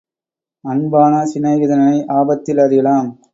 அன்பான சிநேகிதனை ஆபத்தில் அறியலாம்.